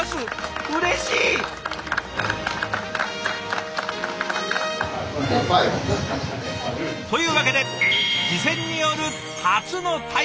うれしい！というわけで自薦による初の「大使メシ」。